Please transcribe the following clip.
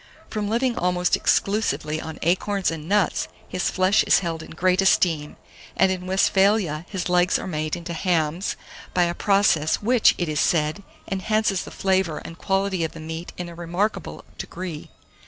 From living almost exclusively on acorns and nuts, his flesh is held in great esteem, and in Westphalia his legs are made into hams by a process which, it is said, enhances the flavour and quality of the meat in a remarkable degree.